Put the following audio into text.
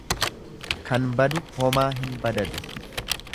Kan badu homaa hin badadu.